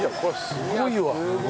すごいね！